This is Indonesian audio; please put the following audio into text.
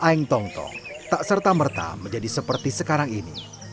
desa aeng tong tong tak serta merta menjadi seperti sekarang ini